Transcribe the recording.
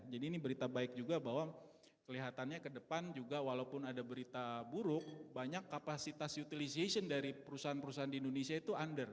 jadi ini berita baik juga bahwa kelihatannya kedepan juga walaupun ada berita buruk banyak kapasitas utilization dari perusahaan perusahaan di indonesia itu under